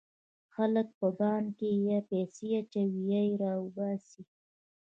خلک په بانک کې یا پیسې اچوي یا یې را باسي.